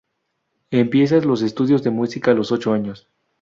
Empieza los estudios de Música a los ocho años.